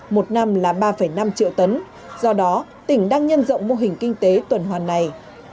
một năm là ba năm triệu tấn do đó tỉnh đang nhân rộng mô hình kinh tế tuần hoàn này